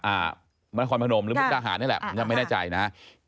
อ่ามนุษย์ความผนมหรือมนุษย์ค่าหารนี่แหละผมยังไม่แน่ใจนะ